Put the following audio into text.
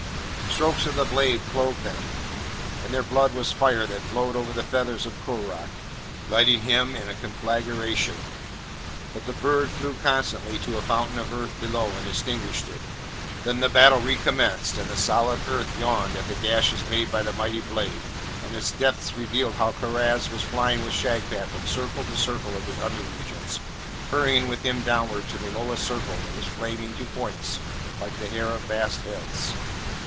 Strokes of the blade clove them, and their blood was fire that flowed over the feathers of Koorookh, lighting him in a conflagration; but the bird flew constantly to a fountain of earth below and extinguished it. Then the battle recommenced, and the solid earth yawned at the gashes made by the mighty blade, and its depths revealed how Karaz was flying with Shagpat from circle to circle of the under regions, hurrying with him downward to the lowest circle, that was flaming to points, like the hair of vast heads.